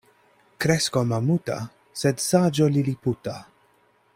Kresko mamuta, sed saĝo liliputa.